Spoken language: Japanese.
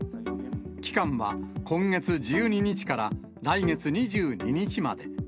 期間は今月１２日から来月２２日まで。